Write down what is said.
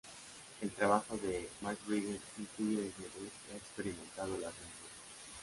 El trabajo de McBride incluye desnudez y ha experimentado la censura.